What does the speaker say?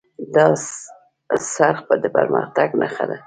دا څرخ د پرمختګ نښه ده.